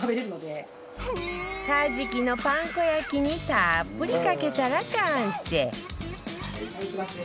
カジキのパン粉焼きにたっぷりかけたら完成いきますね